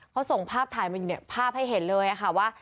เขาส่งภาพถ่ายมาอยู่เนี่ยภาพให้เห็นเลยค่ะว่า